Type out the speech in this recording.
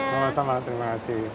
sama sama terima kasih